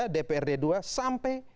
dprd dua sampai